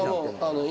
今。